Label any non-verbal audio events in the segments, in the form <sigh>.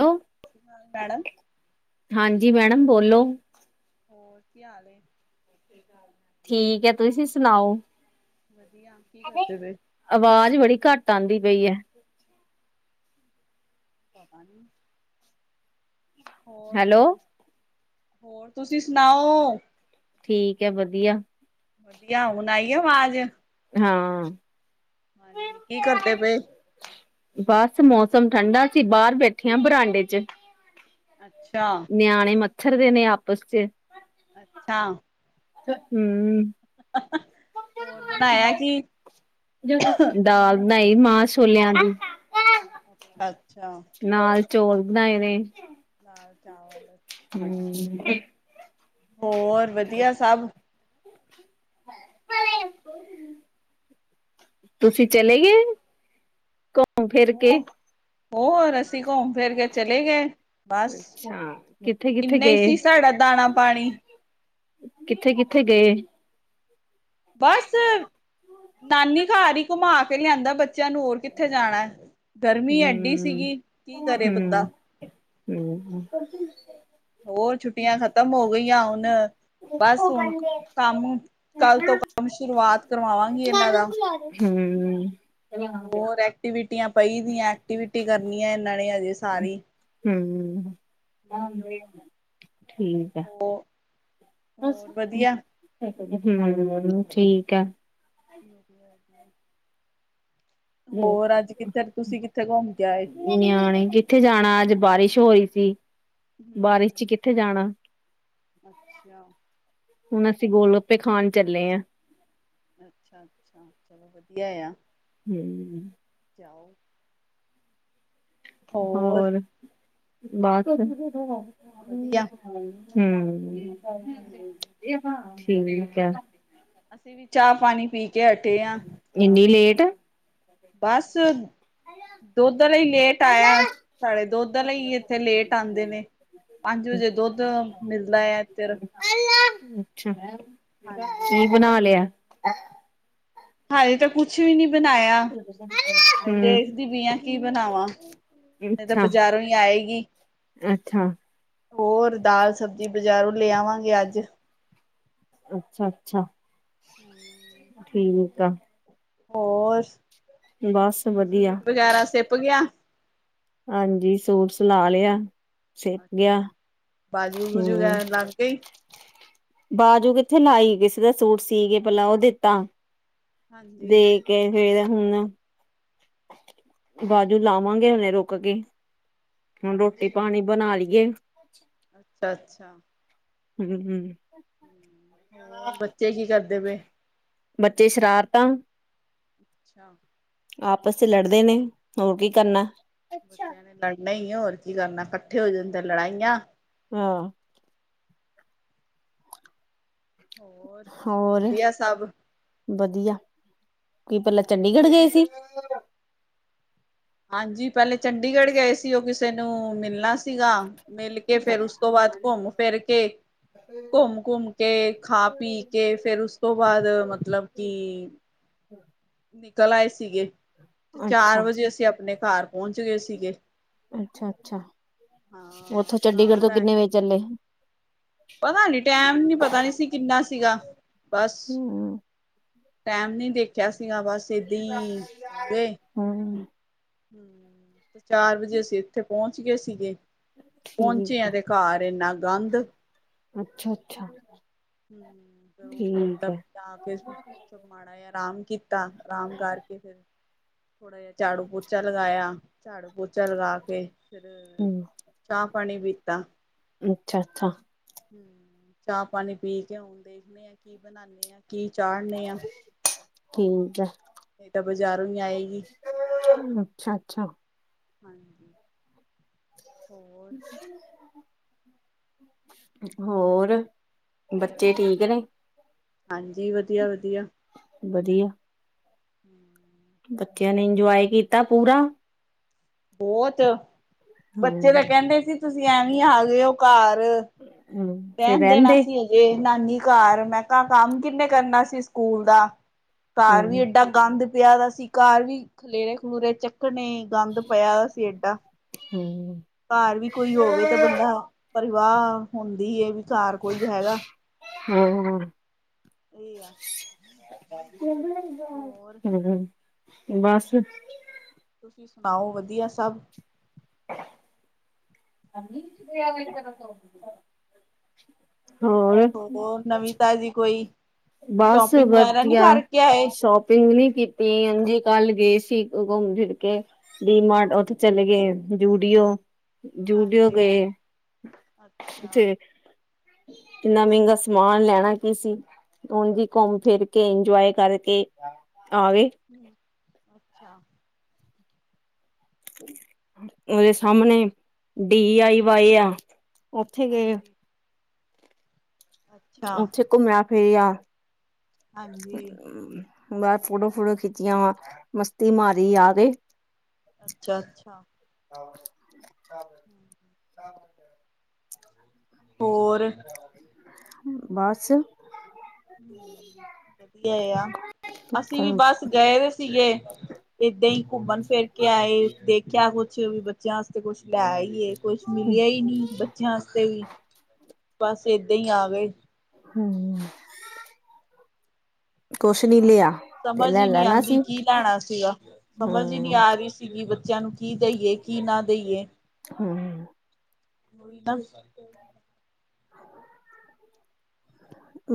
ਏਔਂ ਸਤਿ ਸ਼੍ਰੀ ਮੈਡਮ। ਹਾਂਜੀ ਮੈਡਮ ਬੋਲੋ। ਹੋਰ ਕੀ ਹਾਲ ਏ। ਠੀਕ ਐ। ਤੁਸੀ ਸੁਣਾਓ। ਵਧੀਆ। ਕੀ ਕਰਦੇ ਪਏ? ਆਵਾਜ਼ ਬੜੀ ਘੱਟ ਆਂਦੀ ਪਈ ਐ। ਪਤਾ ਨੀ। ਹੋਰ, ਹੈਲੋ। ਤੁਸੀਂ ਸੁਣਾਓ। ਠੀਕ ਐ, ਵਧੀਆ। ਵਧੀਆ ਹੁਣ ਆਈ ਆ ਆਵਾਜ਼। ਹਾਂ। ਕੀ ਕਰਦੇ ਪਏ? ਬਸ ਮੌਸਮ ਠੰਡਾ ਸੀ ਬਾਰ ਬੇਠੀ ਆਂ ਬਰਾਂਡੇ ਚ ਅੱਛਾ। ਨਿਆਣੇ ਮੱਛਰ ਦੇ ਨੇ ਆਪਸ ਚ ਅੱਛਾ। ਆ ਹੂੰ। ਹੋਰ ਬਣਾਇਆ ਕੀ? ਦਾਲ ਨਈ ਮਾਂ ਛੋਲਿਆਂ ਦੀ। ਅੱਛਾ। ਨਾਲ ਚੌਲ ਬਣਾਏ ਨੇ ਦਾਲ-ਚਾਵਲ ਅੱਛਾ ਹੂੰ, ਹੋਰ ਵਧੀਆ ਸਭ <inaudible> ਤੁਸੀਂ ਚਲੇ ਗੇ ਹੋ ਹੋਰ ਅਸੀ ਕੋਮ ਫੇਰ ਕੇ ਚਲੇਗੇ। ਬਸ ਅੱਛਾ, ਕਿੱਥੇ-ਕਿੱਥੇ ਇੰਨਾ ਹੀ ਗਏ, ਸੀ ਸਾਡਾ ਦਾਣਾ-ਪਾਣੀ। ਕਿੱਥੇ-ਕਿੱਥੇ ਗਏ? ਬਸ ਨਾਨੀ ਕਾਰ ਈ ਕੁਮਾ ਕੇ ਲਿਆਂਦਾ ਬੱਚਿਆਂ ਨੂੰ ਹੋਰ ਕਿੱਥੇ ਜਾਣਾ? ਗਰਮੀ ਐਡੀ ਸੀਗੀ ਕੀ ਕਰੇ ਬੰਦਾ ਹੂੰ‌। ਹੋਰ ਛੁੱਟੀਆਂ ਖਤਮ ਹੋ ਗਈਆਂ ਹੁਣ ਬਸ ਹੁਣ ਕੰਮ ਕੱਲ ਤੋਂ ਕੰਮ ਸ਼ੁਰੂਆਤ ਕਰਵਾਵਾਂਗੀ ਏਨਾਂ ਦਾ। ਹੂੰ। ਹੋਰ ਐਕਟੀਵਿਟੀਆਂ ਪਈ ਦੀਆਂ ਐਕਟੀਵਿਟੀ ਕਰਨੀ ਐ ਏਨਾਂ ਨੇ ਹਜੇ ਸਾਰੀ। ਹੂੰ ਠੀਕ ਓ ਹਂ ਹੂੰ ਠੀਕ ਐ। <inaudible> ਹੋਰ ਅੱਜ ਕਿੱਥੇ ਤੁਸੀਂ ਕਿੱਥੇ ਕੁਮ ਕੇ ਆਏ? ਨਿਆਣੇ ਕਿੱਥੇ ਜਾਣਾ ਅੱਜ ਬਾਰਿਸ਼ ਹੋਈ ਸੀ ਬਾਰਿਸ਼ ਚ ਕਿੱਥੇ ਜਾਣਾ। ਅੱਛਾ। ਹੁਣ ਅਸੀਂ ਗੋਲੱ ਗਪੇ ਖਾਣ ਚੱਲੇ ਆਂ। ਅੱਛਾ-ਅੱਛਾ ਚਲੋ ਵਧੀਆ ਆ। ਹੂੰ। ਜਾਓ। ਹੋਰ ਬਸ ਵਧੀਆ। ਹੂੰ ਠੀਕ ਐ। ਅਸੀਂ ਵੀ ਚਾਹ-ਪਾਣੀ ਪੀ ਕੇ ਹਟੇ ਆ। ਏਨੀ ਲੇਟ ਬਸ। ਦੋਧ ਆਲਾ ਈ ਲੇਟ ਆਇਆ ਸਾਡੇ ਦੋਧ ਆਲੇ ਈ ਇੱਥੇ ਲੇਟ ਆਂਦੇ ਨੇ। ਪੰਜ ਵਜੇ ਦੋਧ ਮਿਲਦਾ ਐਧਰ ਅੱਛਾ ਹਾਂਜੀ ਕੀ ਬਣਾ ਲਯਾ? ਹਜੇ ਤੇ ਕੁੱਛ ਵੀ ਨੀ ਬਣਾਇਆ ਹਜੇ ਹੂੰ ਦੇਖਦੀ ਪਈ ਆ ਕੀ ਬਣਾਵਾਂ? ਨਈ ਤਾਂ ਅੱਛਾ ਬਜ਼ਾਰੋਂ ਈ ਆਏਗੀ। ਅੱਛਾ। ਹੋਰ ਦਾਲ-ਸਬਜ਼ੀ ਬਜਾਰੋ ਲੇ ਆਵਾਂਗੇ ਅੱਜ। ਅੱਛਾ, ਅੱਛਾ। ਹੁੰ ਠੀਕ ਆ। ਹੋਰ, ਬਸ ਵਧੀਆ ਸੂਟ ਵਗੈਰਾ ਸਿਪ ਗਿਆ? ਹਾਂਜੀ, ਸੂਟ ਸਿਲਾ ਲਿਆ। ਸਿਪ ਗਿਆ ਅੱਛਾ, ਬਾਜੂ ਬੁਜੁ ਹੂੰ ਵਗੈਰਾ ਲੱਗ ਗਈ। ਬਾਜੂ ਕਿੱਥੇ ਲਾਈ, ਕਿਸੇ ਦਾ ਸੂਟ ਸੀਕੇ ਪਹਿਲਾ ਓ ਦਿੱਤਾ, ਹਾਂਜੀ ਦੇ ਕੇ ਫੇਰ ਹੁਨ ਬਾਜੂ ਲਾਵਾਂਗੇ ਹੁਨੇ ਰੁਕ ਕੇ, ਹੁਣ ਅੱਛਾ ਰੋਟੀ-ਪਾਣੀ ਬਣਾ ਲਈਏ। ਅੱਛਾ, ਅੱਛਾ। ਹੂੰ-ਹੂੰ ਹੋਰ, ਬੱਚੇ ਕੀ ਕਰਦੇ ਪਏ? ਬੱਚੇ ਸ਼ਰਾਰਤਾਂ ਅੱਛਾ। ਆਪਸ 'ਚ ਲੜਦੇ ਨੇ, ਹੋ ਕੀ ਕਰਨਾ। ਬੱਚਿਆਂ ਨੇ ਲੜਨਾ ਈ ਏ, ਹੋਰ ਕੀ ਕਰਨਾ, ਕੱਠੇ ਹੋ ਜਾਂਦੇ ਲੜਾਈਆ ਹਾਂ ਹੋਰ ਹੋਰ, ਵਧੀਆ ਸਭ ਵਦੀਆ, ਕੀ ਪੈਲਾਂ ਚੰਡੀਗੜ੍ਹ ਗਏ ਸੀ? ਹਾਂਜੀ, ਪੈਲੇ ਚੰਡੀਗੜ ਗਏ ਸੀ, ਓ ਕਿਸੇ ਨੂੰ ਮਿਲਨਾ ਸੀਗਾ, ਮਿਲ ਕੇ ਫਿਰ ਓਸ ਤੋਂ ਬਾਦ ਘੋਮ ਫਿਰ ਕੇ ਘੋਂਮ ਘੋਮ ਕੇ, ਖਾ-ਪੀ ਕੇ, ਫੇਰ ਓਸ ਤੋ ਬਾਦ ਮਤਲਬ ਕਿ <unintelligible> ਨਿਕਲ ਆਏ ਸੀਗੇ, ਤੇ ਚਾਰ ਅੱਛਾ ਵਜੇ ਅਸੀ ਅੱਪਣੇ ਕਾਰ ਪੋਂਚ ਗਏ ਸੀਗੇ। ਅੱਛਾ, ਅੱਛਾ, ਹਾਂ ਓਥੋਂ ਚੰਡੀਗੜ੍ਹ ਘਰ ਤੋ ਆਏ ਕਿੰਨੇ ਵਜੇ ਚੱਲੇ? ਪਤਾ ਨੀ, ਟੈਮ ਨੀ ਪਤਾ ਨੀ ਸੀ ਕਿੰਨਾ ਸੀਗਾ, ਬਸ ਹੂੰ ਟੈਮ ਨੀ ਦੇਖਿਆ ਸੀਗਾ, ਬਸ ਏਦੀ, ਆ ਗਏ। ਹੂੰ ਹਮ, ਚਾਰ ਵਜੇ ਅਸੀ ਇੱਥੇ ਪੋਂਚ ਗਏ ਸੀਗੇ, ਪੋਂਚੇ ਆ ਤੇ ਕਾਰ, ਇੰਨਾ ਗੰਦ ਅੱਛਾ, ਅੱਛਾ। ਹੁੰ, ਤੇ ਓ ਠੀਕ ਮਤਲਬ ਹੈ ਤਾ ਫੇਰ, ਮਾੜਾ ਜਾ ਆਰਾਮ ਕੀਤਾ, ਆਰਾਮ ਕਰਕੇ ਫੇਰ ਥੋੜਾ ਜਿਆ ਝਾੜੂ-ਪੋਚਾ ਲਗਾਇਆ, ਝਾੜੂ-ਪੋਚਾ ਲਗਾ ਕੇ ਫੇਰ, ਹੂੰ ਚਾਹ-ਪਾਣੀ ਪੀਤਾ। ਅੱਛਾ, ਅੱਛਾ। ਹੁ, ਚਾਹ-ਪਾਣੀ ਪੀ ਕੇ, ਹੁਨ ਦੇਖਨੇ ਆ, ਕੀ ਬਨਾਨੇ ਆ। ਕੀ ਚਾੜਨੇ ਆ। ਠੀਕ ਹੈ ਨਈ ਤਾ ਬਜਾਰੋ ਈ ਆਏਗੀ। ਅੱਛਾ, ਅੱਛਾ। ਹਾਂਜੀ। ਹੋਰ ਹੋਰ? ਬੱਚੇ ਵਦੀਆ, ਠੀਕ ਨੇ ਹਾਂਜੀ ਵਦੀਆ, ਵਦੀਆ। ਵਦੀਆ। ਹਮ ਬੱਚਿਆਂ ਨੇ ਇੰਜੋਏ ਕੀਤਾ ਪੂਰਾ? ਬੋਤ, ਬੱਚੇ ਤਾ ਹੂੰ ਕੈਂਦੇ ਸੀ ਤੁਸੀ ਐਵੇਂ ਆ ਗਏ ਓ ਕਾਰ। ਹੂੰ ਫਿਰ ਰੈਣ ਦੇਣਾ ਰਹਿੰਦੇ ਸੀ। ਜੇ ਨਾਨੀ ਘਰਿ, ਮੈ ਕਾ, ਕੰਮ ਕਿੰਨੇ ਕਰਨਾ ਸੀਸਕੂਲ ਦਾ? ਘਰ ਵੀ ਹੂੰ ਏਡਾ ਗੰਦ ਪਿਆ ਦਾ ਸੀ। ਘਰ ਵੀ ਖਲੇਰੇ-ਖਲੂਰੇ ਚੱਕਨੇ, ਗੰਦ ਪਿਆ ਸੀ ਏਡਾ, ਹੂੰ ਘਰ ਵੀ ਕੋਈ ਹੋਵੇ ਤਾ ਬੰਦਾ ਪ੍ਰਵਾਹ ਹੁੰਦੀ ਹੈ, ਵੀ ਘਰ ਕੋਈ ਹੈਗਾ। ਹਾਂ ਇਹਹੀ ਆ <unintelligible> ਹੋਰ ਹਮ, ਬੱਸ। ਪਾਉ ਵਧੀਆ ਸਭ। ਅ ਚਿਆਵੇ ਤੋ <unintelligible> ਹੋਏ ਹੋਰ, ਨਵੀਂ-ਤਾਜ਼ੀ ਕੋਈ? ਬਸ, ਸ਼ੋਪਿੰਗ ਵਗੈਰਾ ਨਹੀਂ ਵਧੀਆ ਕਰਕੇ ਆਏ ਸੋਪ ਪਿੰਗਨੀ ਕੀਤੀ, ਅਂਜੀ ਕੱਲ ਗਏ ਸੀ, ਘੁੰਮ- ਫਿਰ ਕੇ ਡੀਮਾਰਟ, ਉੱਥੇ ਚਲੇ ਗਏ, ਜੂਡੀਓ ਜੂਡੀਓ ਹਾਂਜੀ ਗਏ ਅੱਛਾ ਥੇ ਕਿੰਨਾ ਮਹਿੰਗਾ ਸਮਾਨ ਲੈਣਾ ਕੀ ਸੀ? ਹੁਣ ਜ ਘੁੰਮ, ਫਿਰ ਕੇ ਇੰਜੋਏ ਕਰਕੇ ਆਵੇ। ਹ, ਅੱਛਾ। ਉਹਦੇ ਅੱਛਾ, ਸਾਹਮਣੇ, ਡੀ ਆਈ ਵਾਏ ਆ, ਉੱਥੇ ਗਏ। ਹਾਂਜੀ। ਅੱਛਾ, ਉੱਥੇ, ਘੁੰਮਿਆ- ਫਿਰਿਆ। ਹਾਂਜੀ, ਬਾਦ ਫੋਟੋ- ਫੋਟੋ ਖਿੱਚੀਆਂ ਵਾ ਮਸਤੀ, ਮਾਰੀ, ਆ ਕੇ ਅੱਛਾ, ਅੱਛਾ। ਆਹ! ਹਮ ਹਮ <inaudible> ਹੋਰ ਬਸ। ਹ, ਵਧੀਆ ਆ, ਅਸੀਂ ਹਮ ਬਸ। ਗਏ ਸੀਗੇ, ਏਦਾਂ ਹੀ ਘੁੰਮਣ, ਫਿਰ ਕੇ ਆਏ, ਦੇਖਿਆ ਕੁਛ ਵੀ ਬੱਚਿਆਂਸ ਕੁਛ ਲੈ ਆਈ, ਕੁਛ ਮਿਲਿਆ ਹੀ ਨੀ ਬੱਚ ਬੱਚਿਆਂ ਵਾਸਤੇ ਵੀ, ਬਸ ਏਦਾਂ ਹੀ ਆ ਗਏ। ਹਮ, ਕੁਛ ਨੀ ਲਿਆ। ਤੇ ਸਮਝ ਲੈ ਹੀ ਨਹੀਂ ਲੈਣਾ ਆਉਂਦੀ ਸੀ ਕੀ ਲੈਣਾ ਸੀਗਾ, ਸਮਝ ਹੀ ਨਹੀਂ ਹਮ ਆ ਰਹੀ ਸੀਗੀ। ਬੱਚਿਆਂ ਨੂੰ ਕੀ ਦਈਏ? ਕੀ ਨਾ ਦੇਈਏ? ਹਮ ‌, ਹਮ। ਹੋਦਾ <unintelligible> ਹ <unintelligible>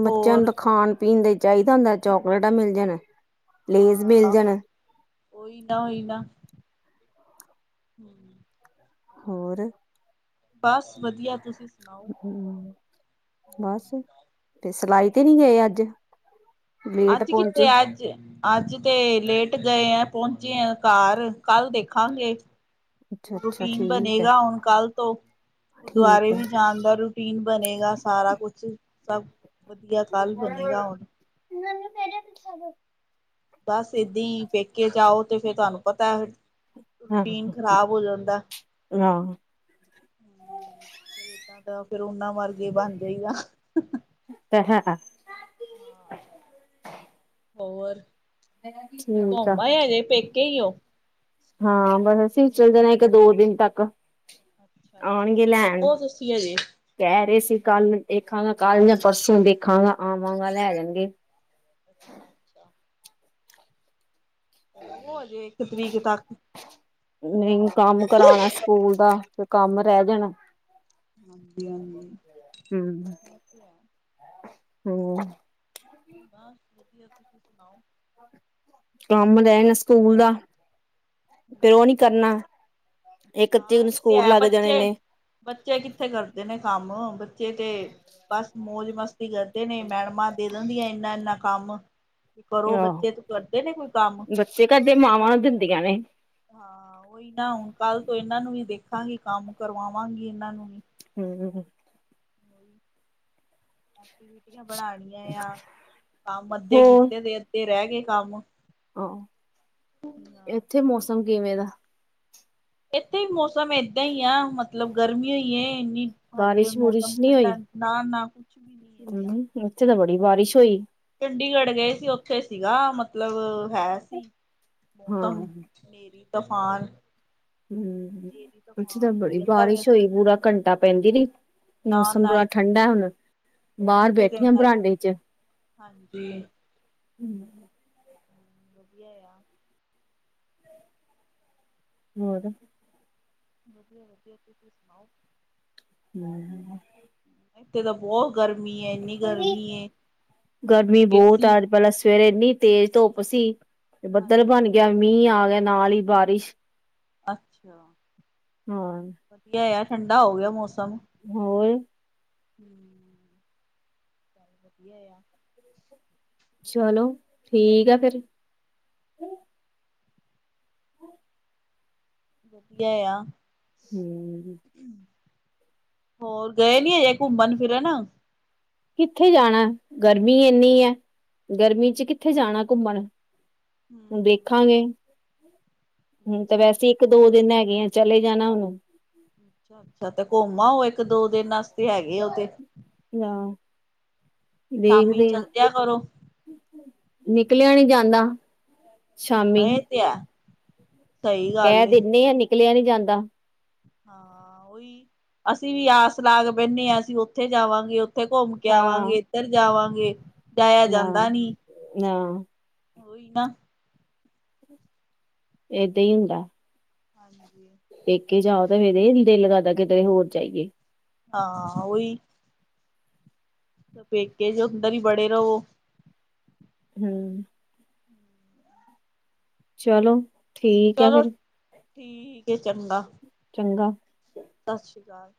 ਬੱਚਿਆਂ ਨੂੰ ਹੋਰ ਤਾਂ ਖਾਣ -ਪੀਣ ਦਾ ਚਾਹੀਦਾ ਹੁੰਦਾ, ਚੋਕਲੇਟਾਂ ਮਿਲ ਜਾਣ ਲੇਜ਼ ਮਿਲ ਹਾਂ, ਜਾਣ ੳਈਦਾ -ੳਈਦਾ ਹਮ <inaudible> ਹੋਰ। ਬਸ, ਵਧੀਆ ਤੁਸੀਂ ਸੁਣਾਓ। ਹ ਬਸ, ਤੇ ਸਿਲਾਈ ਤੇ ਨਹੀਂ ਗਏ ਅੱਜ ਲੇਟ ਅੱਜੀ ਪਹੁੰਚੇ ਕਿੱਥੇ? ਅੱਜ ਤੇ ਲੇਟ ਗਏ ਆ, ਪਹੁੰਚੇ ਆ ਘਰ, ਕਲ ਦੇਖਾਂਗੇ। ਅੱਛਾ ਅੱਛਾ ਰੁਟੀਨ ਠੀਕ ਹੈ ਬਣੇਗਾ, ਹੁਣ ਕੱਲ ਤੋਂ, ਠੀਕ ਗੁਰਦੁਆਰੇ ਹੈ ਵੀ ਜਾਣ ਦਾ ਰੂਟੀਨ ਬਣੇਗਾ, ਸਾਰਾ ਕੁਛ ਈ, ਸਭ ਵਧੀਆ ਕੱਲ੍ਹ ਬਣੇਗਾ ਹੁਣ। ਮੈਨੂੰ ਮੇਰੇ ਹਿੱਸੇ ਦੇ ਬਸ, ਏਦਾਂ ਈ ਪੇਕੇ ਜਾਓ ਤੇ ਫੇਰ ਤੁਹਾਨੂੰ ਪਤਾ ਹੈ। ਰੂਟੀਨ ਆਹ ਖਰਾਬ ਹੋ ਜਾਂਦਾ। ਆਹ ਫਿਰ ਏਦਾਂ ਦਾ ਫੇਰ, ਉਹਨਾਂ ਵਰਗੇ ਬਣ ਜਾਈਦਾ। ਤੈਂ, ਹੈਂ-ਹਾਂ। ਹਾਂ ਹੋਰ, ਤੁ ਠੀਕ ਆ ਘੁੰਮ ਆਏ, ਹਜੇ ਪੇਕੇ ਈ ਓ? ਹਾਂ, ਬਸ ਅਸੀਂ ਵੀ ਚਲ ਜਾਣਾ ਇੱਕ- ਦੋ ਦਿਨ ਤੱਕ। ਅੱਛਾ-ਅੱਛਾ, ਆਉਣਗੇ ਲੈਣ ਰਹੋ ਤੁਸੀਂ ਹਜੇ। ਕਹਿ ਰਹੇ ਸੀ ਕੱਲ੍ਹ ਦੇਖਾਂਗਾ, ਕੱਲ੍ਹ ਜਾਂ ਪਰਸੋਂ ਦੇਖਾਂਗਾ, ਆਵਾਂਗਾ ਲੈ ਜਾਣਗੇ। ਅੱਛਾ-ਅੱਛਾ। ਰਵੋ, ਅਜੇ ਇੱਕ ਤਰੀਕ ਤੱਕ। ਨਹੀਂ ਕੰਮ ਕਰਾਣਾ ਸਕੂਲ ਦਾ, ਫਿਰ ਕੰਮ ਰਹਿ ਜਾਣਾ। ਹਾਂਜੀ-ਹਾਂਜੀ। ਹੂੰ, ਹੋਰ ਬਸ ਵਧੀਆ, ਤੁਸੀਂ ਸੁਣਾਓ? ਕੰਮ ਰਹਿਣਾ ਸਕੂਲ ਦਾ। ਤੇ ਉਹ ਨੀ ਕਰਨਾ, ਇੱਕ ਤੀਕ ਹਾਂ ਨੂੰ ਇਹ ਤੇ ਸਕੂਲ ਹੈ ਲੱਗ ਜਾਣੇ ਬੱਚੇ ਨੇ। ਬੱਚੇ ਕਿੱਥੇ ਕਰਦੇ ਨੇ ਕੰਮ, ਬੱਚੇ ਤੇ ਬਸ ਮੌਜ-ਮਸਤ ਕਰਦੇ ਨੇ, ਮੈਡਮਾਂ ਦੇ ਦਿੰਦੀਆਂ ਇੰਨਾ-ਇੰਨਾ ਕੰਮ। ਪਰ ਓ ਆਹੋ ਬੱਚੇ ਤੇ ਕਰਦੇ ਨੇ ਕੋਈ ਕੰਮ, ਬੱਚੇ ਕਿੱਥੇ ਕਰਦੇ। ਧੀਆਂ ਨੇ ਹਾਂ ਉਹੀ ਨਾ, ਹੁਣ ਕੱਲ੍ਹ ਤੋਂ ਇਹਨਾਂ ਨੂੰ ਵੀ ਦੇਖਾਂਗੀ, ਕੰਮ ਕਰਵਾਵਾਂਗੀ ਇਹਨਾਂ ਨੂੰ ਵੀ। ਹਮ। ਟਵੀਟੀਆ ਬਣਾਣੀਆਂ ਕੰਮ ਅੱਧੇ ਕੀਤੇ ਦੇ, ਅੱਧੇ ਰਹਿ ਗਏ ਕੰਮ। ਆਹ, ਇੱਥੇ ਮੌਸਮ ਕਿਵੇਂ ਦਾ? ਇੱਥੇ ਮੌਸਮ ਏਦਾਂ ਈ ਆ, ਮਤਲਬ ਗਰਮੀਓ ਈ ਏ, ਇੰਨੀ ਹਲੇ ਬਾਰਿਸ਼ ਮੌਸਮ ਠੰਡਾ ਨਾ-ਨਾ ਕੁ ਨ‌ਈਂ, ਇੱਥੇ ਤੇ ਬੜੀ ਬਾਰਿਸ਼ ਹੋਈ। ਚੰਡੀਗੜ੍ਹ ਗਏ ਸੀ, ਉੱਥੇ ਸੀਗਾ ਮਤਲਬ ਹੈ ਸੀ, ਹਾਂ ਮੌਸਮ ਨ੍ਹੇਰੀ, ਤੂਫਾਨ। ਹਮ, ਹਨੇਰੀ ਐਛੇ ਤਾਂ ਤੂਫਾਨ ਹੋਈ ਬੜੀ ਜਾਂਦਾ ਪਿਆ ਬਾਰਿਸ਼ ਸੀ। ਹੋਈ, ਪੂਰਾ ਘੰਟਾ ਪੈਂਦੀ ਰੀ। ਮੌਸਮ ਬੜਾ ਠੰਡਾ ਹੁਣ। ਬਾਹਰ ਇਥੇ ਤਾਂ ਬੈਠੀ ਹੁਣ ਆ ਅੱਜ, ਬਰਾਂਡੇ ਚ ਹਾਂਜੀ। ਹਮ। ਵਧੀਆ ਆ। ਹੋਰ। ਵਧੀਆ-ਵਧੀਆ ਤੁਸੀਂ ਸੁਣਾਓ? ਮੈਂ ਵੀ ਵਹ। ਇੱਥੇ ਤਾਂ ਬਹੁਤ ਗਰਮੀ ਐ, ਇੰਨੀ ਗਰਮੀ ਏ, ਗਰਮੀ ਬਹੁਤ ਏਸੀ ਆ ਅੱਜ ਪਹਿਲਾਂ ਸਵੇਰੇ ਇੰਨੀ ਤੇਜ਼ ਧੁੱਪ ਸੀ ਤੇ ਬੱਦਲ ਹਾਂਜੀ ਬਣ ਗਿਆ, ਮੀਂਹ ਆ ਗਿਆ ਨਾਲ ਈ ਬਾਰਿਸ਼, ਤੇ ਅੱਛਾ। ਹਮ। ਵਧੀਆ ਆ, ਠੰਡਾ ਹੋ ਗਿਆ ਮੌਸਮ। ਹੋਰ ਹਮ ਵਧੀਆ ਆ ਚਲੋ, ਠੀਕ ਆ ਫੇਰ ਵਧੀਆ ਆ ਹਮ ਹਮ ਹੋਰ, ਗਏ ਨੀ ਹਜੇ ਘੁੰਮਣ- ਫਿਰਨ ਕਿੱਥੇ ਜਾਣਾ, ਗਰਮੀ ਇੰਨੀ ਹੈ, ਗਰਮੀ 'ਚ ਕਿੱਥੇ ਜਾਣਾ ਘੁੰਮਣ ਵੇਖਾਂਗੇ, ਹਮ ਤੇ ਅੱਛਾ ਵੈਸੇ ਇੱਕ ਦੋ ਦਿਨ ਹੈਗੇ ਆ ਚਲੇ ਜਾਣਾ ਉਹਨੂੰ ਅੱਛਾ- ਅੱਛਾ ਤੇ ਘੁੰਮ ਆਓ ਉਹ ਇੱਕ ਦੋ ਦਿਨ ਵਸਤੇ ਹੈਗੇ ਉਹ ਤੇ ਆਹ, ਸ਼ਾਮੀ ਦੇਖਦੇ ਹਾਂ ਚਲਦਿਆਂ ਕਰੋ ਨਿਕਲਿਆ ਨੀ ਜਾਂਦਾ ਹਾਂ ਸ਼ਾਮੀ ਇਹ ਤੇ ਹੈ ਸਹੀ ਕਹਿ ਗੱਲ ਏ। ਦਿੰਦੇ ਆਂ, ਨਿਕਲਿਆ ਨੀ ਜਾਂਦਾ ਹਾਂ ਉਹੀ, ਅਸੀਂ ਵੀ ਆਸ ਲਾਗ ਬਹਿੰਦੇ ਹਾਂ, ਅਸੀਂ ਉੱਥੇ ਜਾਵਾਂਗੇ ਉੱਥੇ ਘੁੰਮ ਕੇ ਹਾਂ ਆਵਾਂਗੇ, ਇੱਧਰ ਜਾਵਾਂਗੇ ਜਾਇਆ ਨਾ, ਜਾਂਦਾ ਨੀ ਨਾ ਉਹੀ ਨਾ ਇਦਾ ਹੁੰਦਾ ਹਾਂਜੀ ਦੇਕੇ ਜਾਓ ਤਾਂ ਫਿਰ ਇਹ ਦਿਲ ਲ ਕਰਦਾ ਕਿਤੇ ਹੋਰ ਜਾਈਏ ਹਾਂ, ਉਹੀ ਪੇਕੇ 'ਚ ਅੰਦਰ ਹੀ ਬੜੇ ਰਹਵੋ ਹਮ ਚਲੋ ਠੀਕ ਹੈ ਚਲੋ, ਫਿਰ ਠੀਕ ਹੈ ਚੰਗਾ ਚੰਗਾ ਸਤਿ ਸ਼੍ਰੀ ਅਕਾਲ